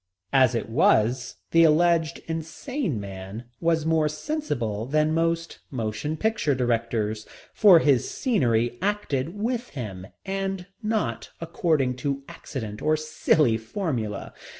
As it was, the alleged insane man was more sensible than most motion picture directors, for his scenery acted with him, and not according to accident or silly formula.